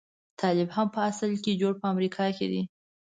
طالب هم په اصل کې جوړ په امريکا دی.